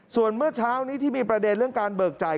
ส่วนเมื่อเช้านี้ที่มีประเด็นเรื่องการเบิกจ่าย